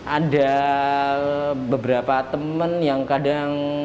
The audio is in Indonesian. ada beberapa teman yang kadang